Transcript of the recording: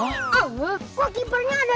oh kok keepernya ada dua